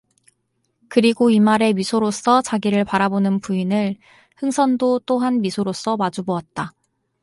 그리고 이말에 미소로써 자기를 바라보는 부인을 흥선도 또한 미소로써 마주 보았다.